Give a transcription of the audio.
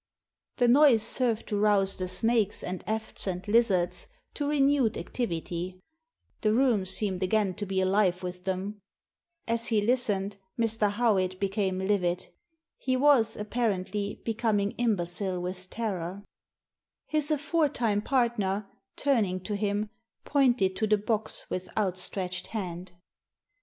The noise served to rouse the snakes, and efts, and lizards to renewed activity. The room seemed again to be alive with Digitized by VjOOQIC A PSYCHOLOGICAL EXPERIMENT 15 them. As he listened, Mr. Howitt became livid He was, apparently, becoming imbecile with terror. His aforetime partner, turning to him, pointed to the box with outstretched hand.